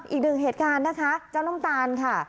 อีกหนึ่งเหตุการณ์นะคะเจ้าน้ำตาลค่ะ